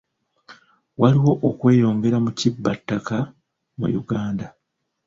Waliwo okweyongera mu kibba ttaka mu Uganda.